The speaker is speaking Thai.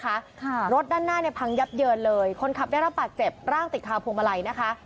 ค่ะรถด้านหน้าเนี่ยพังยับเยินเลยคนขับได้รับบาดเจ็บร่างติดคาวพวงมาลัยนะคะ